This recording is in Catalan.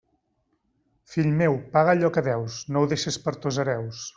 Fill meu, paga allò que deus, no ho deixes per tos hereus.